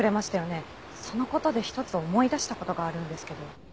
その事で一つ思い出した事があるんですけど。